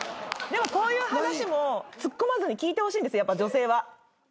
でもこういう話もツッコまずに聞いてほしいんですやっぱ女性は。